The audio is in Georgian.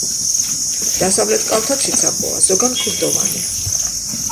დასავლეთ კალთა ციცაბოა, ზოგან კლდოვანი.